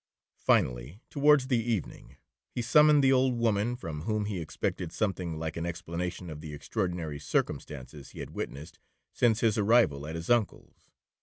Finally, towards evening, he summoned the old woman, from whom he expected something like an explanation of the extraordinary circumstances he had witnessed since his arrival at his uncle's.